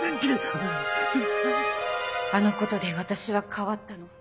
あの事で私は変わったの。